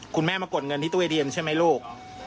คุณแม่มากดเงินที่ตู้เย็นใช่ไหมลูก